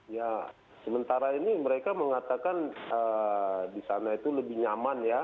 ya sementara ini mereka mengatakan di sana itu lebih nyaman ya